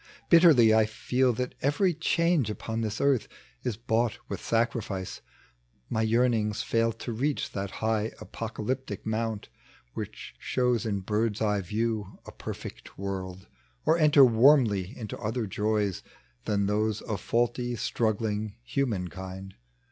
Bitterly I ftel that every change upon tliis earth Is bought with saoriflce. My yearnings fail To reach that high apocalyptic mount Which shows in bird's eye view a perfect world, Or enter warmly into other joys Than those of faulty, struggling human kind.